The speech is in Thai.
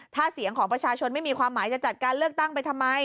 ถ้าเสียงของประชาชนไม่มีความหมายจะจัดการเลือกตั้งไปทำไม